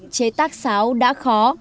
chế tác sáo đã khó